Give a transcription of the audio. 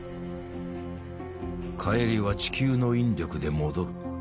帰りは地球の引力で戻る。